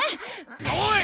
おい！